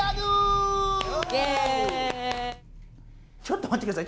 ちょっとまってください。